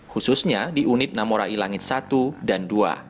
khususnya di unit namorai langit satu dan dua